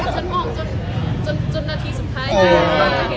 ฉันมองจนนาทีสุดท้ายแล้ว